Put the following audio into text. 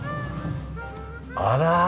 あら！